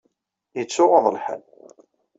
Ittuɣaḍ lḥal.